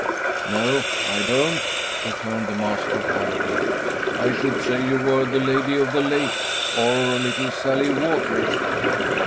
"No, I don't," returned the master of Harrowby. "I should say you were the Lady of the Lake, or Little Sallie Waters."